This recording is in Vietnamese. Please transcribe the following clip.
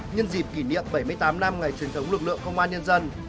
nhân dịp kỷ niệm bảy mươi tám năm ngày truyền thống lực lượng công an nhân dân